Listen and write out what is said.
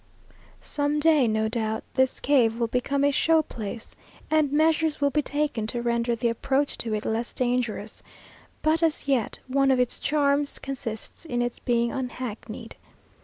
Some day, no doubt, this cave will become a show place, and measures will be taken to render the approach to it less dangerous; but as yet, one of its charms consists in its being unhackneyed.